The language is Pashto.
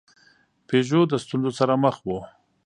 پژو د ستونزو سره مخ و.